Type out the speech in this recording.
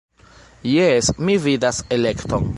Jes, mi ne vidas elekton.